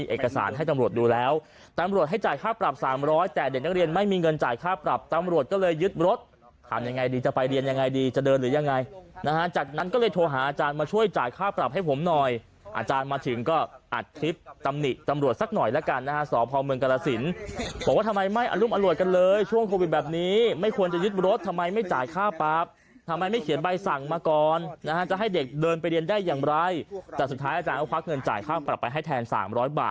เอกสารให้ตำรวจดูแล้วตำรวจให้จ่ายค่าปรับ๓๐๐แต่เด็กนักเรียนไม่มีเงินจ่ายค่าปรับตำรวจก็เลยยึดรถทำยังไงดีจะไปเรียนยังไงดีจะเดินหรือยังไงนะฮะจากนั้นก็เลยโทรหาอาจารย์มาช่วยจ่ายค่าปรับให้ผมหน่อยอาจารย์มาถึงก็อัดคลิปตำรวจสักหน่อยแล้วกันนะฮะสอบภาวเมืองกรสินบอกว่าทำไมไม่อรุมอ